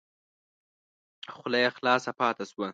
خوله یې خلاصه پاته شوه !